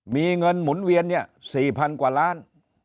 มีเงินหมุนเวียนเนี่ย๔๐๐๐กว่าล้าน